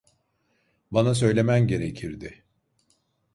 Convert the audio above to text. Bana söylemen gerekirdi.